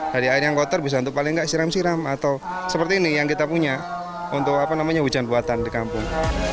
jadi air yang kotor bisa untuk paling nggak siram siram atau seperti ini yang kita punya untuk hujan buatan di kampung